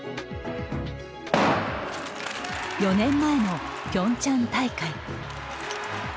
４年前のピョンチャン大会。